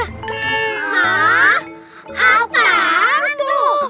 hah apaan tuh